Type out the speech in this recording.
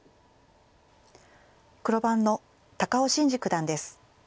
黒番の高尾紳路九段です。